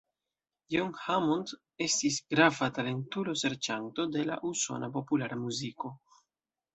John Hammond estis grava talentulo-serĉanto de la usona populara muziko.